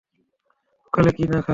অকালে কি না খায়।